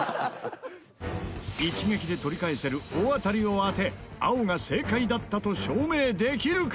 一撃で取り返せる大当たりを当て青が正解だったと証明できるか？